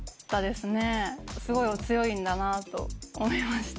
すごいお強いんだなと思いました。